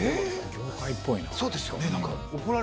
業界っぽいな。